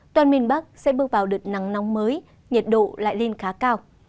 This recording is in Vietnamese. toàn miền bắc sẽ bước vào đợt nắng nóng mới nhiệt độ lại lên khá cao